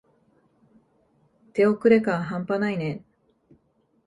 手遅れ感はんぱないね。